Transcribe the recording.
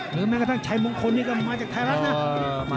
แม้กระทั่งชัยมงคลนี่ก็มาจากไทยรัฐนะ